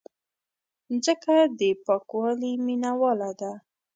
مځکه د پاکوالي مینواله ده.